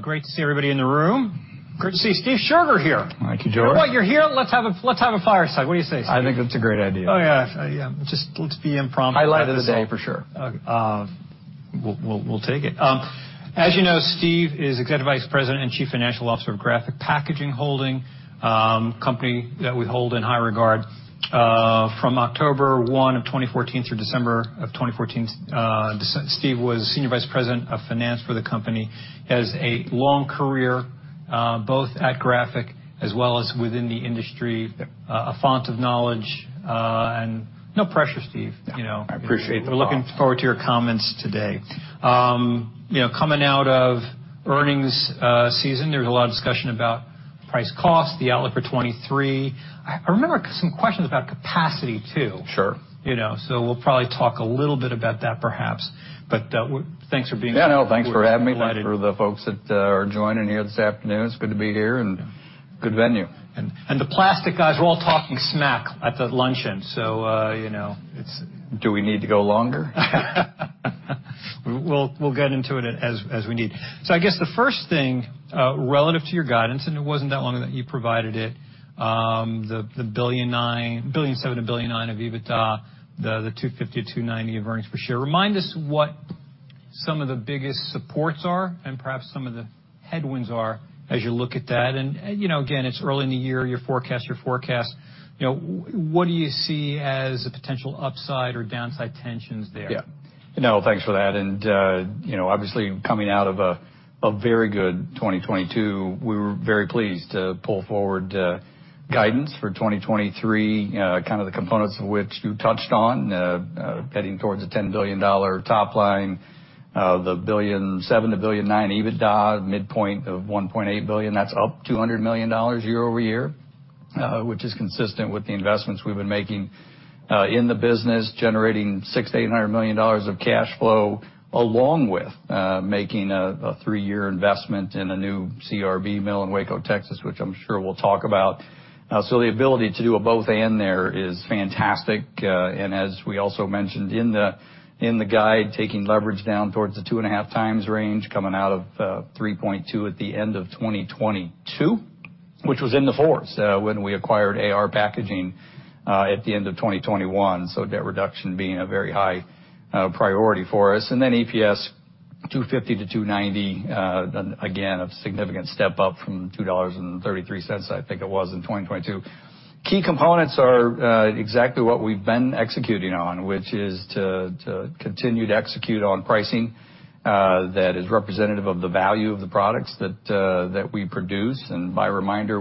Great to see everybody in the room. Great to see Stephen Scherger here. Thank you, George. Well, you're here. Let's have a, let's have a fireside. What do you say, Steve? I think that's a great idea. Oh, yeah. Yeah, just let's be impromptu. Highlight of the day for sure. we'll take it. As you know, Steve is Executive Vice President and Chief Financial Officer of Graphic Packaging Holding Company that we hold in high regard. From October 1 of 2014 through December of 2014, Steve was Senior Vice President of Finance for the company. Has a long career, both at Graphic as well as within the industry, a font of knowledge, and no pressure, Steve, you know. I appreciate that. We're looking forward to your comments today. you know, coming out of earnings season, there was a lot of discussion about price cost, the outlook for 23. I remember some questions about capacity too. Sure. You know, we'll probably talk a little bit about that perhaps. Thanks for being here. Yeah, no, thanks for having me. We're delighted. For the folks that are joining here this afternoon, it's good to be here and good venue. The plastic guys were all talking smack at the luncheon, you know, it's... Do we need to go longer? We'll get into it as we need. I guess the first thing, relative to your guidance, and it wasn't that long ago that you provided it, the $1.7 billion to $1.9 billion of EBITDA, the $2.50 to $2.90 of earnings per share. Remind us what some of the biggest supports are and perhaps some of the headwinds are as you look at that. You know, again, it's early in the year, your forecast. You know, what do you see as the potential upside or downside tensions there? Yeah. No, thanks for that. You know, obviously coming out of a very good 2022, we were very pleased to pull forward guidance for 2023, kind of the components of which you touched on, heading towards a $10 billion top line, the $1.7 billion-$1.9 billion EBITDA, midpoint of $1.8 billion. That's up $200 million year-over-year, which is consistent with the investments we've been making in the business, generating $600 million-$800 million of cash flow, along with making a three-year investment in a new CRB mill in Waco, Texas, which I'm sure we'll talk about. The ability to do a both/and there is fantastic. As we also mentioned in the guide, taking leverage down towards the 2.5x range coming out of 3.2 at the end of 2022, which was in the 4s when we acquired AR Packaging at the end of 2021. Debt reduction being a very high priority for us. Then EPS $2.50 to $2.90, again, a significant step up from $2.33, I think it was in 2022. Key components are exactly what we've been executing on, which is to continue to execute on pricing that is representative of the value of the products that we produce. By reminder,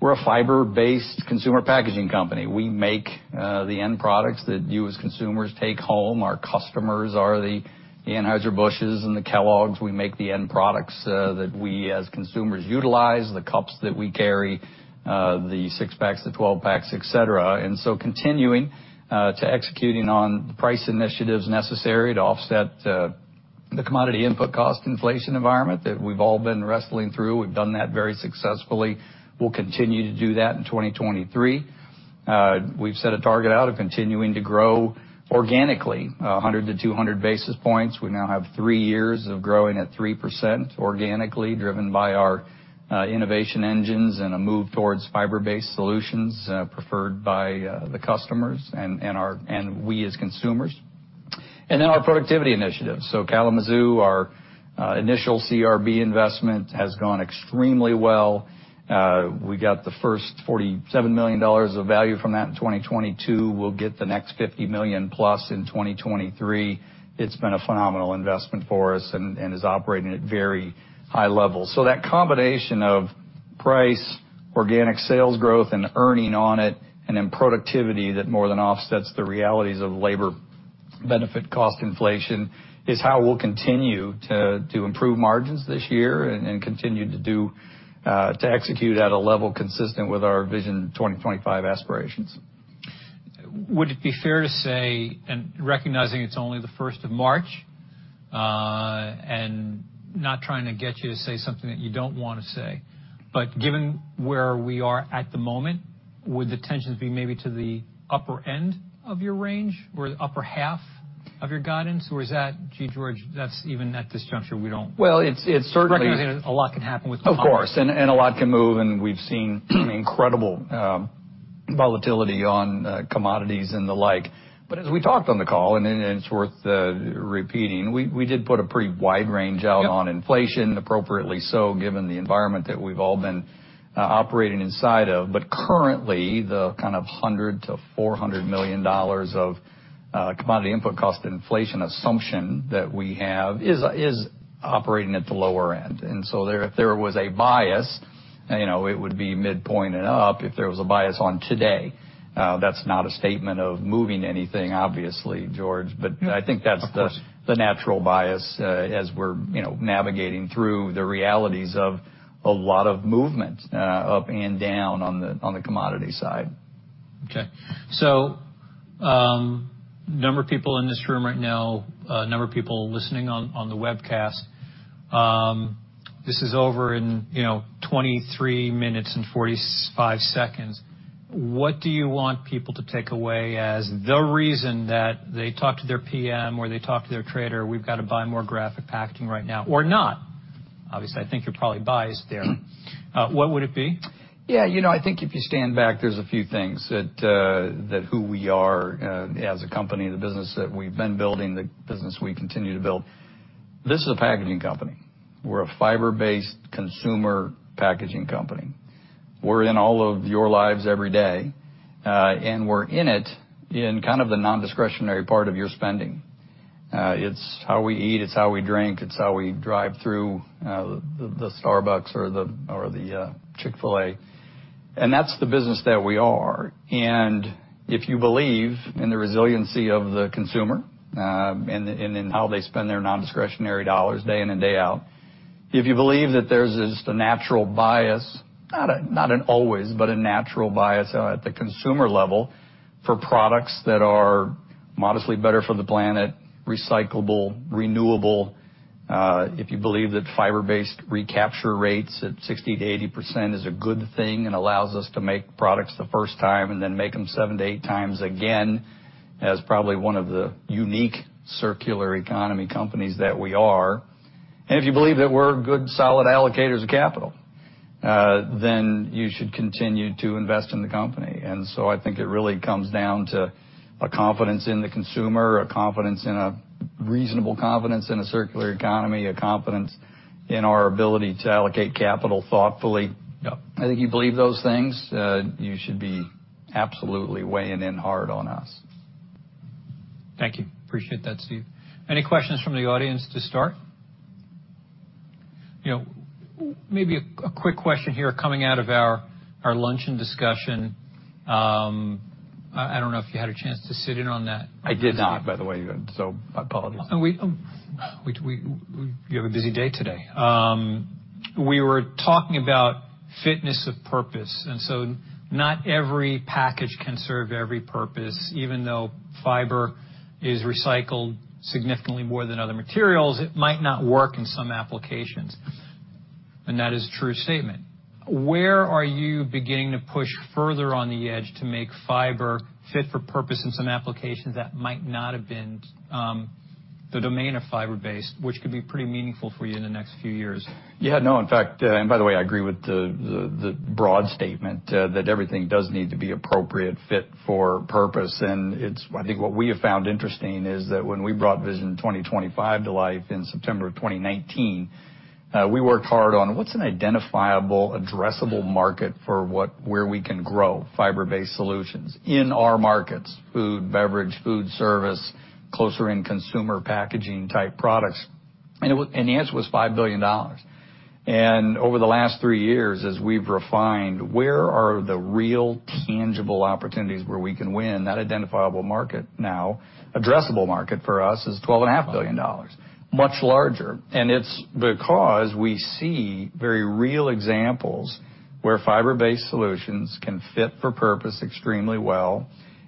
we're a fiber-based consumer packaging company. We make the end products that you as consumers take home. Our customers are the Anheuser-Busch's and the Kellogg's. We make the end products that we as consumers utilize, the cups that we carry, the six-packs, the twelve-packs, et cetera. Continuing to executing on the price initiatives necessary to offset the commodity input cost inflation environment that we've all been wrestling through. We've done that very successfully. We'll continue to do that in 2023. We've set a target out of continuing to grow organically, 100 to 200 basis points. We now have three years of growing at 3% organically, driven by our innovation engines and a move towards fiber-based solutions, preferred by the customers and we as consumers. Our productivity initiatives. Kalamazoo, our initial CRB investment has gone extremely well. we got the first $47 million of value from that in 2022. We'll get the next $50 million+ in 2023. It's been a phenomenal investment for us and is operating at very high levels. That combination of price, organic sales growth, and earning on it, and then productivity that more than offsets the realities of labor benefit cost inflation is how we'll continue to improve margins this year and continue to do to execute at a level consistent with our Vision 2025 aspirations. Would it be fair to say, recognizing it's only the first of March, not trying to get you to say something that you don't wanna say, given where we are at the moment, would the tensions be maybe to the upper end of your range or the upper half of your guidance? Is that, gee, George, that's even at this juncture, we don't. Well, it's. Recognizing a lot can happen with- Of course. A lot can move, and we've seen incredible volatility on commodities and the like. As we talked on the call, and it's worth repeating, we did put a pretty wide range out- Yep. -on inflation, appropriately so, given the environment that we've all been operating inside of. Currently, the kind of $100 million-$400 million of commodity input cost inflation assumption that we have is operating at the lower end. If there was a bias, you know, it would be midpoint and up if there was a bias on today. That's not a statement of moving anything, obviously, George. No, of course. I think that's the natural bias, as we're, you know, navigating through the realities of a lot of movement, up and down on the commodity side. Okay. Number of people in this room right now, a number of people listening on the webcast, this is over in, you know, 23 minutes and 45 seconds. What do you want people to take away as the reason that they talk to their PM or they talk to their trader, we've got to buy more Graphic Packaging right now or not? Obviously, I think you're probably biased there. What would it be? Yeah, you know, I think if you stand back, there's a few things that who we are as a company, the business that we've been building, the business we continue to build. This is a packaging company. We're a fiber-based consumer packaging company. We're in all of your lives every day, we're in it in kind of the nondiscretionary part of your spending. It's how we eat, it's how we drink, it's how we drive through the Starbucks or the Chick-fil-A. That's the business that we are. If you believe in the resiliency of the consumer, and in how they spend their nondiscretionary dollars day in and day out, if you believe that there's just a natural bias, not an always, but a natural bias at the consumer level for products that are modestly better for the planet, recyclable, renewable, if you believe that fiber-based recapture rates at 60%-80% is a good thing and allows us to make products the first time and then make them 7 to 8 times again, as probably one of the unique circular economy companies that we are, and if you believe that we're good, solid allocators of capital, then you should continue to invest in the company. I think it really comes down to a confidence in the consumer, a reasonable confidence in a circular economy, a confidence in our ability to allocate capital thoughtfully. Yep. I think you believe those things, you should be absolutely weighing in hard on us. Thank you. Appreciate that, Steve. Any questions from the audience to start? You know, maybe a quick question here coming out of our luncheon discussion. I don't know if you had a chance to sit in on that. I did not, by the way, so my apologies. You have a busy day today. We were talking about fitness of purpose, not every package can serve every purpose. Even though fiber is recycled significantly more than other materials, it might not work in some applications. That is a true statement. Where are you beginning to push further on the edge to make fiber fit for purpose in some applications that might not have been the domain of fiber-based, which could be pretty meaningful for you in the next few years? Yeah, no. In fact, by the way, I agree with the broad statement that everything does need to be appropriate fit for purpose. I think what we have found interesting is that when we brought Vision 2025 to life in September of 2019, we worked hard on what's an identifiable, addressable market for where we can grow fiber-based solutions in our markets: food, beverage, food service, closer in consumer packaging type products. The answer was $5 billion. Over the last three years, as we've refined where are the real tangible opportunities where we can win that identifiable market now, addressable market for us is twelve and a half billion dollars, much larger. It's because we see very real examples where fiber-based solutions can fit for purpose extremely well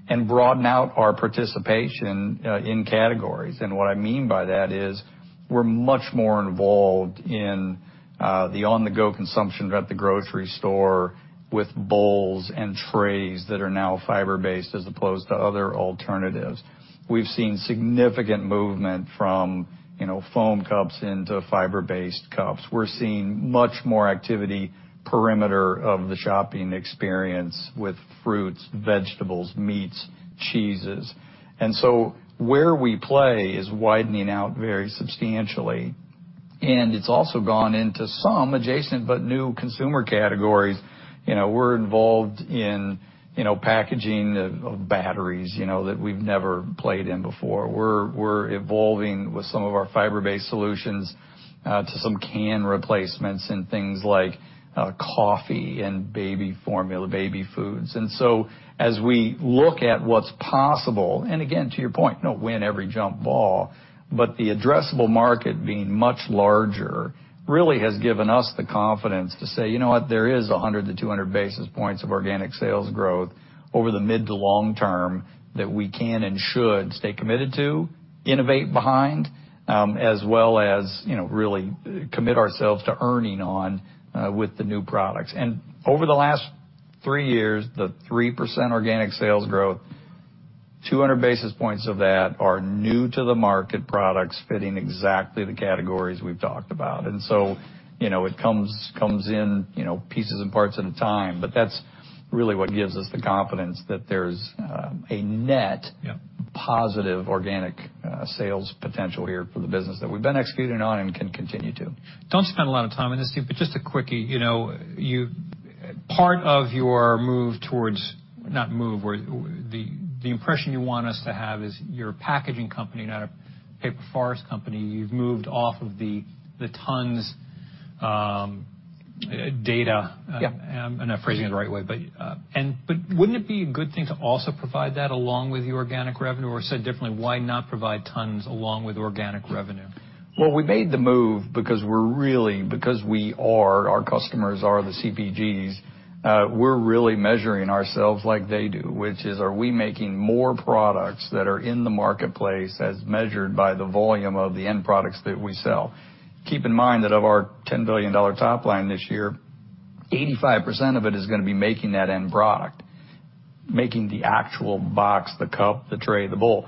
and broaden out our participation in categories. What I mean by that is we're much more involved in the on-the-go consumption at the grocery store with bowls and trays that are now fiber-based as opposed to other alternatives. We've seen significant movement from, you know, foam cups into fiber-based cups. We're seeing much more activity perimeter of the shopping experience with fruits, vegetables, meats, cheeses. Where we play is widening out very substantially. It's also gone into some adjacent but new consumer categories. You know, we're involved in, you know, packaging of batteries, you know, that we've never played in before. We're evolving with some of our fiber-based solutions to some can replacements and things like coffee and baby formula, baby foods. As we look at what's possible, and again, to your point, don't win every jump ball, but the addressable market being much larger really has given us the confidence to say, "You know what? There is 100 to 200 basis points of organic sales growth over the mid to long term that we can and should stay committed to innovate behind, as well as, you know, really commit ourselves to earning on with the new products." Over the last 3 years, the 3% organic sales growth, 200 basis points of that are new to the market products fitting exactly the categories we've talked about. You know, it comes in, you know, pieces and parts at a time, but that's really what gives us the confidence that there's a net- Yeah. Positive organic sales potential here for the business that we've been executing on and can continue to. Don't spend a lot of time on this, Steve, but just a quickie. You know, Part of your move towards, not move, where the impression you want us to have is you're a packaging company, not a paper forest company. You've moved off of the tons data. Yeah. I'm not phrasing it the right way, but wouldn't it be a good thing to also provide that along with the organic revenue? Said differently, why not provide tons along with organic revenue? Well, we made the move because we are, our customers are the CPGs, we're really measuring ourselves like they do, which is, are we making more products that are in the marketplace as measured by the volume of the end products that we sell? Keep in mind that of our $10 billion top line this year, 85% of it is gonna be making that end product. Making the actual box, the cup, the tray, the bowl.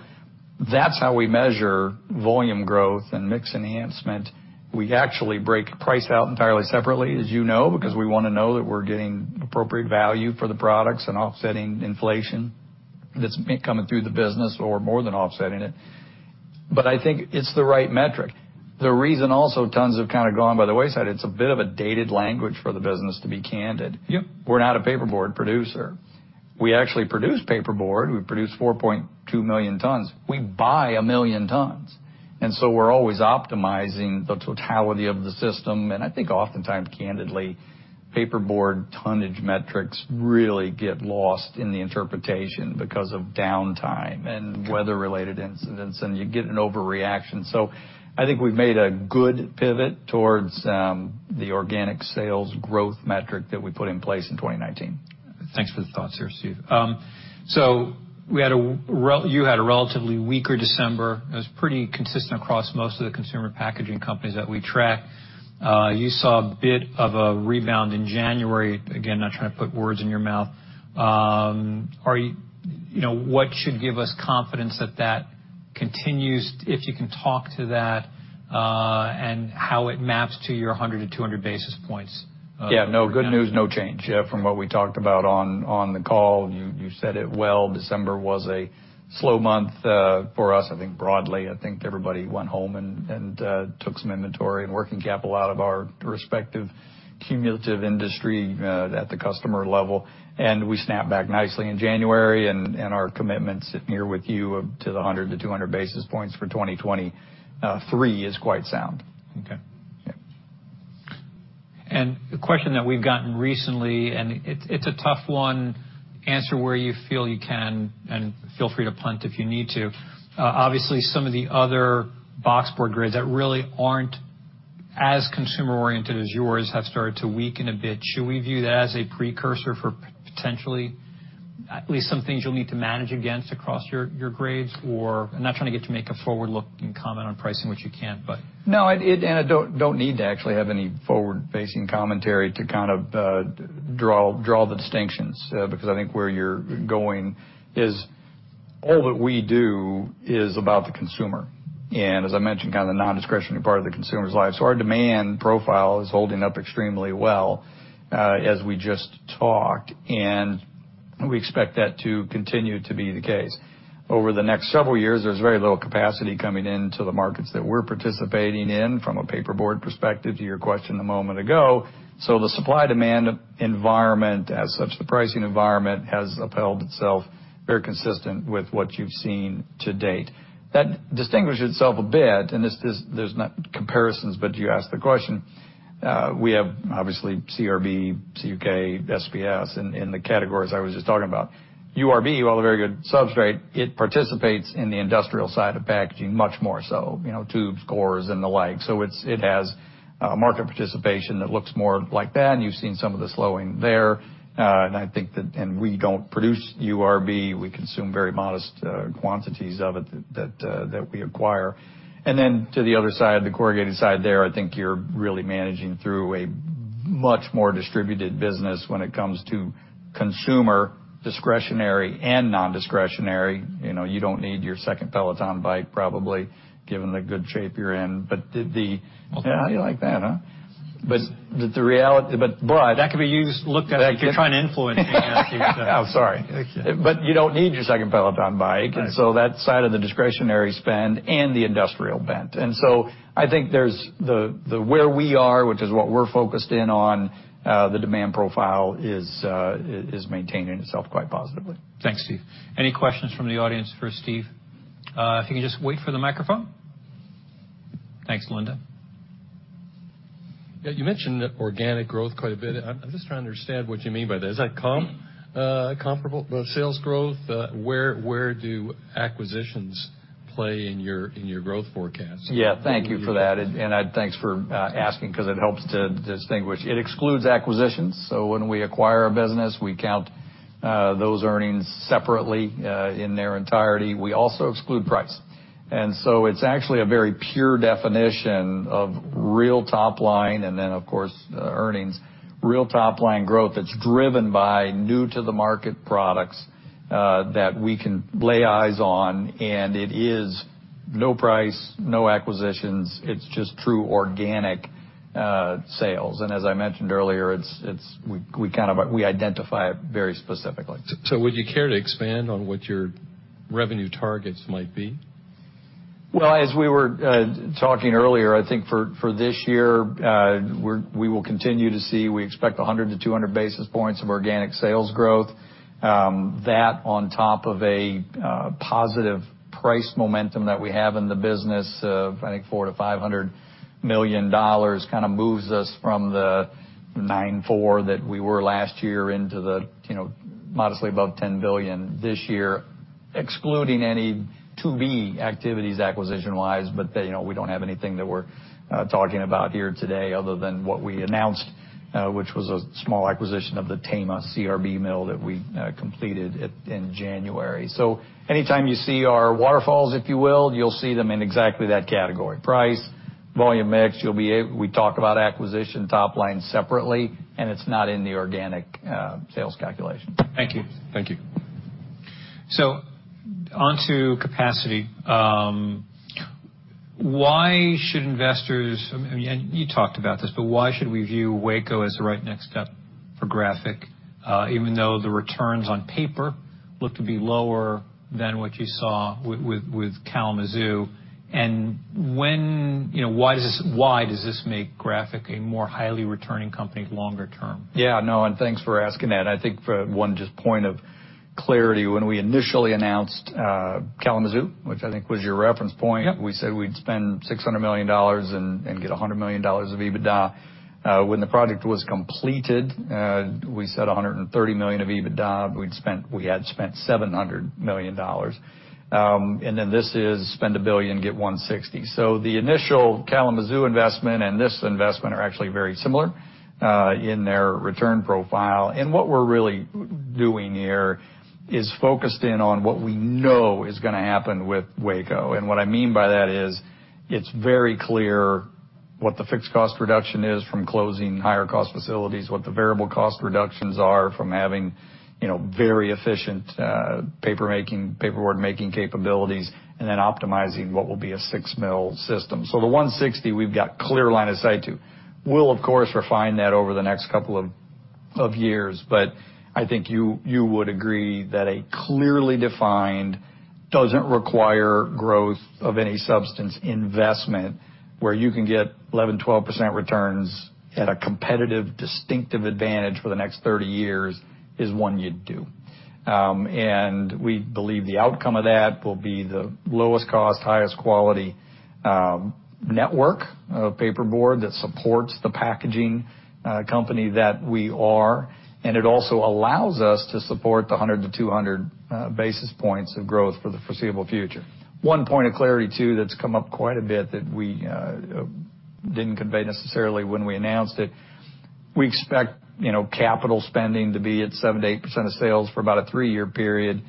That's how we measure volume growth and mix enhancement. We actually break price out entirely separately, as you know, because we wanna know that we're getting appropriate value for the products and offsetting inflation that's been coming through the business or more than offsetting it. I think it's the right metric. The reason also tons have kinda gone by the wayside, it's a bit of a dated language for the business, to be candid. Yep. We're not a paper board producer. We actually produce paper board. We produce 4.2 million tons. We buy 1 million tons, we're always optimizing the totality of the system. I think oftentimes, candidly, paper board tonnage metrics really get lost in the interpretation because of downtime and weather-related incidents, and you get an overreaction. I think we've made a good pivot towards the organic sales growth metric that we put in place in 2019. Thanks for the thoughts there, Steve. You had a relatively weaker December. It was pretty consistent across most of the consumer packaging companies that we track. You saw a bit of a rebound in January. Again, not trying to put words in your mouth. You know, what should give us confidence that that continues, if you can talk to that, and how it maps to your 100-200 basis points? Yeah. No, good news, no change. Yeah, from what we talked about on the call, you said it well, December was a slow month for us. I think broadly, I think everybody went home and took some inventory and working capital out of our respective cumulative industry at the customer level. We snapped back nicely in January, and our commitment, sitting here with you, of to the 100 to 200 basis points for 2023 is quite sound. Okay. Yeah. A question that we've gotten recently, it's a tough one. Answer where you feel you can, and feel free to punt if you need to. Obviously, some of the other box board grades that really aren't as consumer-oriented as yours have started to weaken a bit. Should we view that as a precursor for potentially at least some things you'll need to manage against across your grades or? I'm not trying to get you to make a forward-looking comment on pricing, which you can't, but. No. I don't need to actually have any forward-facing commentary to kind of draw the distinctions, because I think where you're going is all that we do is about the consumer, and as I mentioned, kind of the non-discretionary part of the consumer's life. Our demand profile is holding up extremely well, as we just talked, and we expect that to continue to be the case. Over the next several years, there's very little capacity coming into the markets that we're participating in from a paperboard perspective to your question a moment ago. The supply-demand environment, as such, the pricing environment, has upheld itself very consistent with what you've seen to date. That distinguishes itself a bit. This, there's not comparisons, but you asked the question. we have, obviously, CRB, CUK, SBS in the categories I was just talking about. URB, while a very good substrate, it participates in the industrial side of packaging much more so, you know, tubes, cores, and the like. So it has, market participation that looks more like that, and you've seen some of the slowing there. I think that. We don't produce URB. We consume very modest, quantities of it that we acquire. Then to the other side, the corrugated side there, I think you're really managing through a much more distributed business when it comes to consumer discretionary and non-discretionary. You know, you don't need your second Peloton bike probably, given the good shape you're in. Did the Well, how do you like that, huh? But boy. That could be looked at if you're trying to influence me, Steve. I'm sorry. Thank you. You don't need your second Peloton bike. Right. That side of the discretionary spend and the industrial bent. I think there's the where we are, which is what we're focused in on, the demand profile is maintaining itself quite positively. Thanks, Steve. Any questions from the audience for Steve? If you can just wait for the microphone. Thanks, Linda. Yeah. You mentioned organic growth quite a bit. I'm just trying to understand what you mean by that. Is that comparable sales growth? Where do acquisitions play in your growth forecast? Yeah. Thank you for that. Thanks for asking 'cause it helps to distinguish. It excludes acquisitions, so when we acquire a business, we count those earnings separately in their entirety. We also exclude price. It's actually a very pure definition of real top line, and then, of course, earnings, real top-line growth that's driven by new to the market products that we can lay eyes on, and it is no price, no acquisitions. It's just true organic sales. As I mentioned earlier, it's, we kind of identify it very specifically. Would you care to expand on what your revenue targets might be? Well, as we were talking earlier, I think for this year, we will continue to see, we expect 100 to 200 basis points of organic sales growth. That on top of a positive price momentum that we have in the business of, I think, $400 million-$500 million kinda moves us from the $9.4 billion that we were last year into the, you know, modestly above $10 billion this year, excluding any to-be activities acquisition-wise, but, you know, we don't have anything that we're talking about here today other than what we announced, which was a small acquisition of the Tama CRB mill that we completed in January. Anytime you see our waterfalls, if you will, you'll see them in exactly that category. Price, volume mix. We talk about acquisition top line separately, and it's not in the organic sales calculation. Thank you. Thank you. On to capacity. Why should investors, I mean, and you talked about this, but why should we view Waco as the right next step for Graphic, even though the returns on paper look to be lower than what you saw with Kalamazoo? You know, why does this, why does this make Graphic a more highly returning company longer term? Yeah, no, thanks for asking that. I think for one just point of clarity, when we initially announced Kalamazoo, which I think was your reference point. Yep. We said we'd spend $600 million and get $100 million of EBITDA. When the project was completed, we said $130 million of EBITDA, but we had spent $700 million. This is spend $1 billion, get $160 million. The initial Kalamazoo investment and this investment are actually very similar in their return profile. What we're really doing here is focused in on what we know is gonna happen with Waco. What I mean by that is it's very clear what the fixed cost reduction is from closing higher cost facilities, what the variable cost reductions are from having, you know, very efficient paper-making, paperboard-making capabilities, and then optimizing what will be a 6 mil system. The $160 million we've got clear line of sight to. We'll, of course, refine that over the next couple of years, but I think you would agree that a clearly defined doesn't require growth of any substance investment where you can get 11%, 12% returns at a competitive, distinctive advantage for the next 30 years is one you'd do. We believe the outcome of that will be the lowest cost, highest quality, network of paperboard that supports the packaging company that we are. It also allows us to support the 100 to 200 basis points of growth for the foreseeable future. One point of clarity, too, that's come up quite a bit that we didn't convey necessarily when we announced it. We expect, you know, capital spending to be at 7%-8% of sales for about a 3-year period,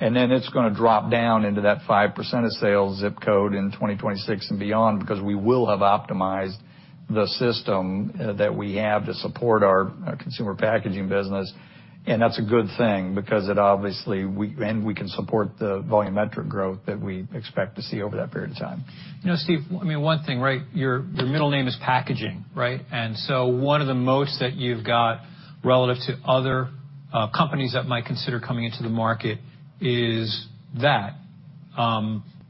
and then it's gonna drop down into that 5% of sales ZIP Code in 2026 and beyond because we will have optimized the system that we have to support our consumer packaging business. That's a good thing because it obviously we can support the volumetric growth that we expect to see over that period of time. You know, Steve, I mean, one thing, right? Your middle name is packaging, right? One of the moats that you've got relative to other companies that might consider coming into the market is that,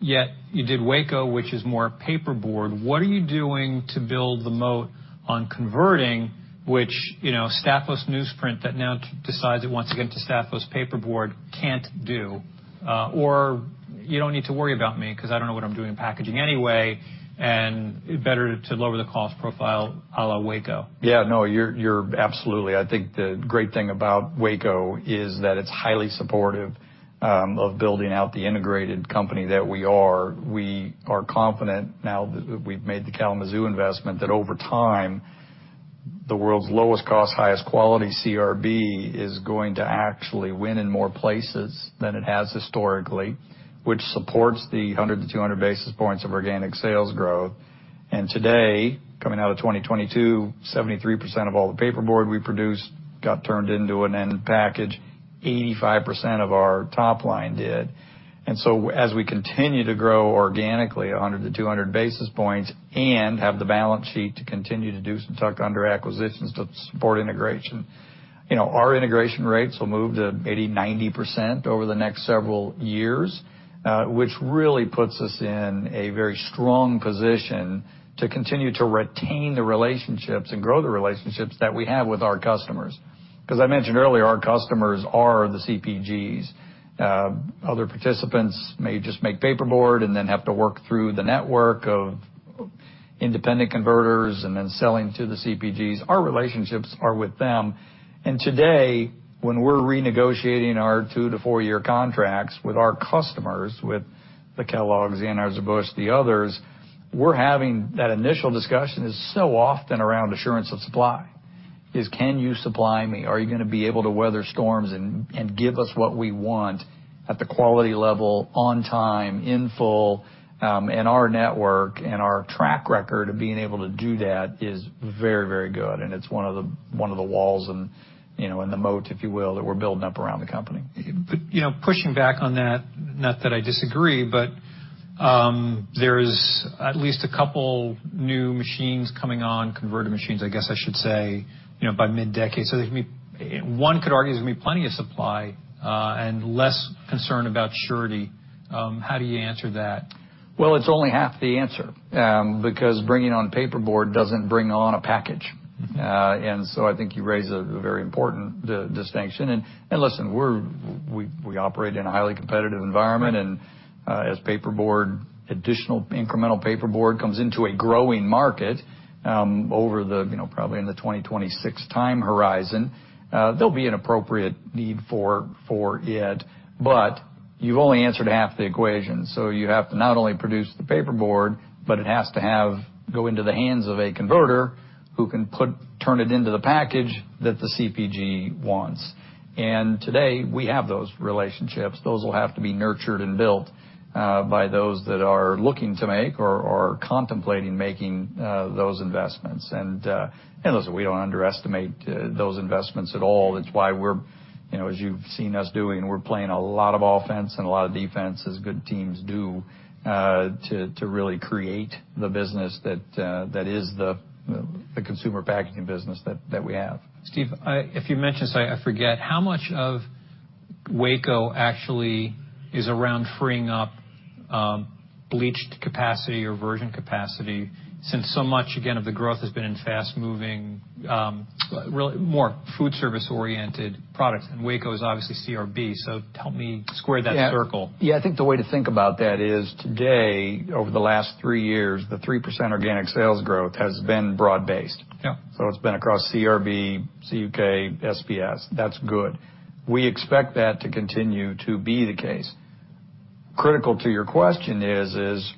yet you did Waco, which is more paperboard. What are you doing to build the moat on converting which, you know, SBS newsprint that now decides it wants to get to SBS paperboard can't do? Or you don't need to worry about me 'cause I don't know what I'm doing in packaging anyway, and better to lower the cost profile à la Waco. Yeah, no, you're absolutely. I think the great thing about Waco is that it's highly supportive of building out the integrated company that we are. We are confident now that we've made the Kalamazoo investment, that over time, the world's lowest cost, highest quality CRB is going to actually win in more places than it has historically, which supports the 100-200 basis points of organic sales growth. Today, coming out of 2022, 73% of all the paperboard we produce got turned into an end package. 85% of our top line did. As we continue to grow organically 100 to 200 basis points and have the balance sheet to continue to do some tuck-under acquisitions to support integration, you know, our integration rates will move to maybe 90% over the next several years, which really puts us in a very strong position to continue to retain the relationships and grow the relationships that we have with our customers. 'Cause I mentioned earlier, our customers are the CPGs. Other participants may just make paperboard and then have to work through the network of independent converters and then selling to the CPGs. Our relationships are with them. Today, when we're renegotiating our 2 to 4-year contracts with our customers, with the Kellogg's, the Anheuser-Busch, the others, we're having that initial discussion is so often around assurance of supply. Is can you supply me? Are you gonna be able to weather storms and give us what we want at the quality level on time, in full, and our network and our track record of being able to do that is very good, and it's one of the walls and, you know, and the moat, if you will, that we're building up around the company. You know, pushing back on that, not that I disagree, but, there's at least a couple new machines coming on, converted machines, I guess I should say, you know, by mid-decade. One could argue there's gonna be plenty of supply, and less concern about surety. How do you answer that? Well, it's only half the answer, because bringing on paperboard doesn't bring on a package. I think you raise a very important distinction. Listen, we operate in a highly competitive environment, as paperboard, additional incremental paperboard comes into a growing market, over the, you know, probably in the 2026 time horizon, there'll be an appropriate need for it, but you've only answered half the equation. You have to not only produce the paperboard, but it has to go into the hands of a converter who can turn it into the package that the CPG wants. Today, we have those relationships. Those will have to be nurtured and built, by those that are looking to make or contemplating making, those investments. Listen, we don't underestimate those investments at all. It's why we're, you know, as you've seen us doing, we're playing a lot of offense and a lot of defense, as good teams do, to really create the business that is the consumer packaging business that we have. Steve, I, if you mentioned this, I forget. How much of Waco actually is around freeing up bleached capacity or virgin capacity since so much, again, of the growth has been in fast-moving, more food service-oriented products, and Waco is obviously CRB? Help me square that circle. Yeah. Yeah, I think the way to think about that is today, over the last 3 years, the 3% organic sales growth has been broad-based. Yeah. It's been across CRB, CUK, SBS. That's good. We expect that to continue to be the case. Critical to your question is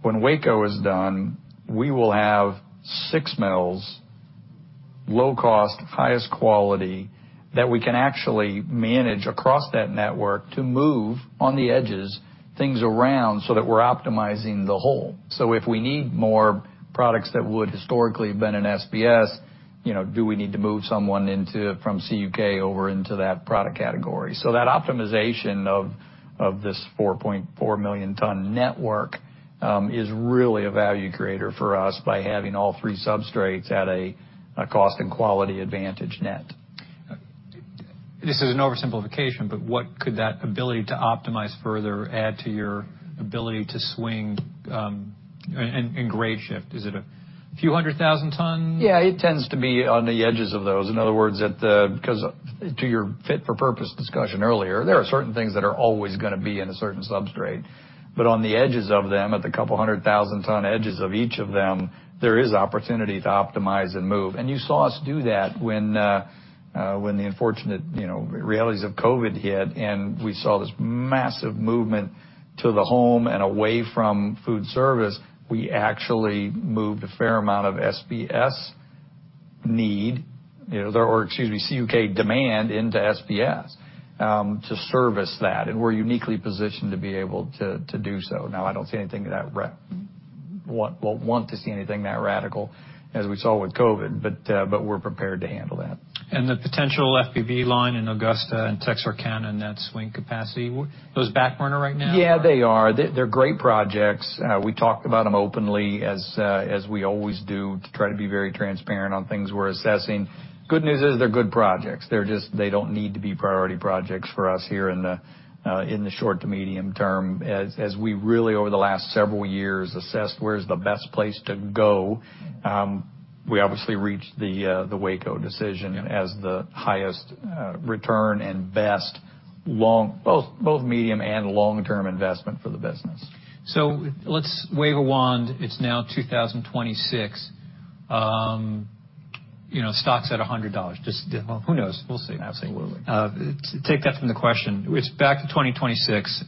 when Waco is done, we will have six mills, low cost, highest quality that we can actually manage across that network to move on the edges things around so that we're optimizing the whole. If we need more products that would historically have been in SBS, you know, do we need to move someone into it from CUK over into that product category? That optimization of this 4.4 million ton network is really a value creator for us by having all three substrates at a cost and quality advantage net. This is an oversimplification, but what could that ability to optimize further add to your ability to swing, and grade shift? Is it a few 100,000 ton? Yeah, it tends to be on the edges of those. In other words, 'Cause to your fit for purpose discussion earlier, there are certain things that are always gonna be in a certain substrate. On the edges of them, at the 200,000 ton edges of each of them, there is opportunity to optimize and move. You saw us do that when the unfortunate, you know, realities of COVID hit, and we saw this massive movement to the home and away from food service, we actually moved a fair amount of SBS need, you know, or excuse me, CUK demand into SBS, to service that. We're uniquely positioned to be able to do so. I don't see anything that want to see anything that radical as we saw with COVID, but we're prepared to handle that. The potential SBS line in Augusta and Texarkana, and that swing capacity, those back burner right now? Yeah, they are. They're great projects. We talked about them openly as we always do to try to be very transparent on things we're assessing. Good news is they're good projects. They're just, they don't need to be priority projects for us here in the short to medium term. As we really over the last several years, assessed where's the best place to go, we obviously reached the Waco decision. Yeah. as the highest, return and best both medium and long-term investment for the business. Let's wave a wand, it's now 2026. You know, stock's at $100. Just, well, who knows? We'll see. Absolutely. Take that from the question. It's back to 2026.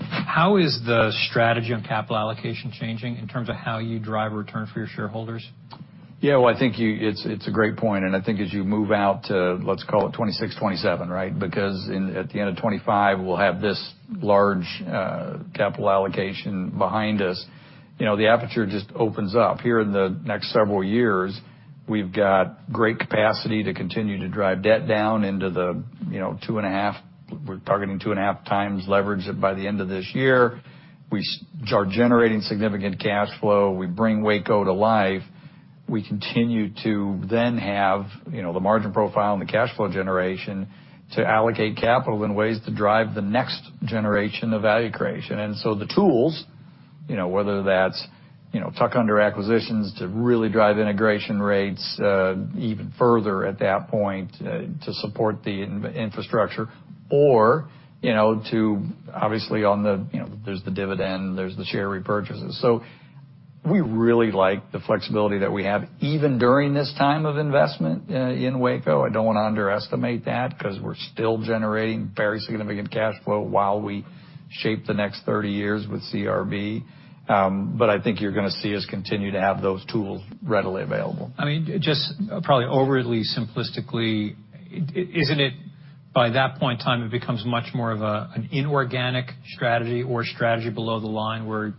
How is the strategy on capital allocation changing in terms of how you drive return for your shareholders? Yeah. Well, I think it's a great point, and I think as you move out to, let's call it 26, 27, right? At the end of 25, we'll have this large capital allocation behind us. You know, the aperture just opens up. Here in the next several years, we've got great capacity to continue to drive debt down into the, you know, 2.5. We're targeting 2.5 times leverage by the end of this year. We are generating significant cash flow. We bring Waco to life. We continue to then have, you know, the margin profile and the cash flow generation to allocate capital in ways to drive the next generation of value creation. The tools, you know, whether that's, you know, tuck-under acquisitions to really drive integration rates even further at that point to support the infrastructure or, you know, to obviously on the, you know, there's the dividend, there's the share repurchases. We really like the flexibility that we have even during this time of investment in Waco. I don't wanna underestimate that, 'cause we're still generating very significant cash flow while we shape the next 30 years with CRB. I think you're gonna see us continue to have those tools readily available. I mean, just probably overly simplistically, isn't it by that point in time, it becomes much more of a, an inorganic strategy or strategy below the line where,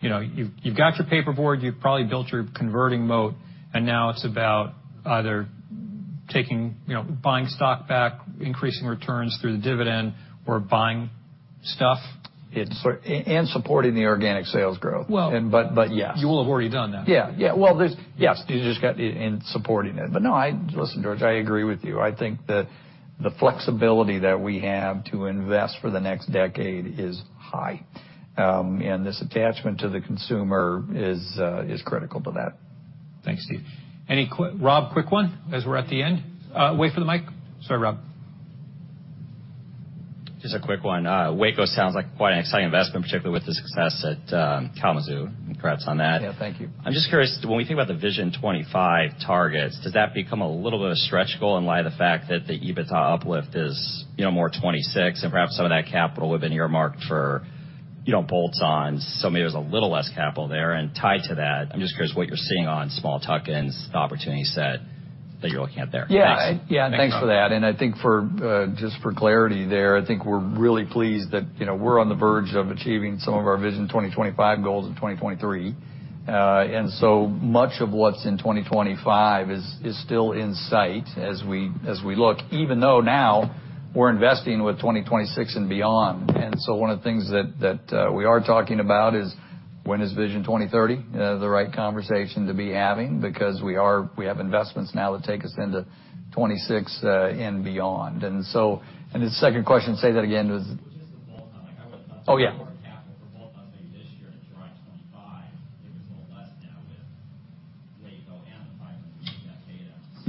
you know, you've got your paperboard, you've probably built your converting moat, and now it's about either taking, you know, buying stock back, increasing returns through the dividend or buying stuff? Supporting the organic sales growth. Well- Yes. You will have already done that. Yeah. Yeah. Well, there's, yes. In supporting it. No. Listen, George, I agree with you. I think that the flexibility that we have to invest for the next decade is high. This attachment to the consumer is critical to that. Thanks, Steve. Rob, quick one as we're at the end? Wait for the mic. Sorry, Rob. Just a quick one. Waco sounds like quite an exciting investment, particularly with the success at Kalamazoo, and congrats on that. Yeah, thank you. I'm just curious, when we think about the Vision 2025 targets, does that become a little bit of a stretch goal in light of the fact that the EBITDA uplift is, you know, more 26 and perhaps some of that capital have been earmarked for, you know, bolts on, so maybe there's a little less capital there? Tied to that, I'm just curious what you're seeing on small tuck-ins, the opportunity set that you're looking at there? Yeah. Thanks. Yeah. Thanks, Rob. Thanks for that. I think for, just for clarity there, I think we're really pleased that, you know, we're on the verge of achieving some of our Vision 2025 goals in 2023. So much of what's in 2025 is still in sight as we, as we look, even though now we're investing with 2026 and beyond. One of the things that we are talking about is when is Vision 2030, the right conversation to be having because we have investments now that take us into 26, and beyond. The second question, say that again. Just the bolt-on. Like, I would love- Oh, yeah. -more capital for bolt-ons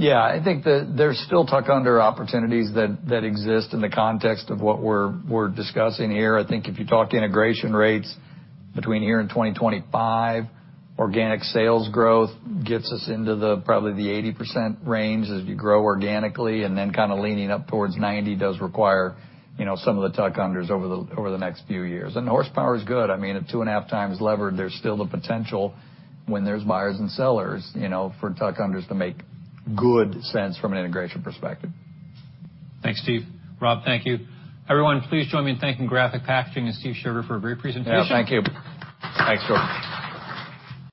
maybe this year to drive 2025. Maybe it's a little less now with Waco and the $500 million in CapEx. Yeah. I think that there's still tuck-under opportunities that exist in the context of what we're discussing here. I think if you talk integration rates between here and 2025, organic sales growth gets us into the probably the 80% range as you grow organically, and then kinda leaning up towards 90 does require, you know, some of the tuck-unders over the next few years. Horsepower is good. I mean, at 2.5x levered, there's still the potential when there's buyers and sellers, you know, for tuck-unders to make good sense from an integration perspective. Thanks, Steve. Rob, thank you. Everyone, please join me in thanking Graphic Packaging and Steve Scherger for a great presentation. Yeah. Thank you. Thanks.